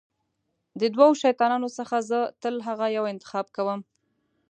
د دوو شیطانانو څخه زه تل هغه یو انتخاب کوم.